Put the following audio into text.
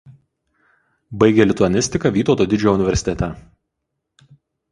Baigė lituanistiką Vytauto Didžiojo universitete.